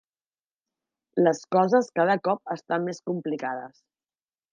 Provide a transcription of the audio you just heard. Les coses cada cop estan més complicades.